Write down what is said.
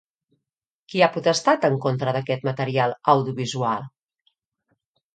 Qui ha protestat en contra d'aquest material audiovisual?